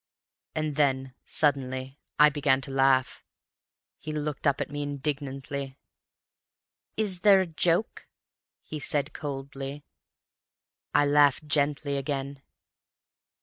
And then suddenly I began to laugh. He looked up at me indignantly. "Is there a joke?" he said coldly. "I laughed gently again.